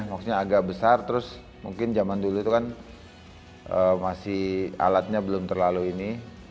maksudnya agak besar terus mungkin zaman dulu itu kan masih alatnya belum terlalu ini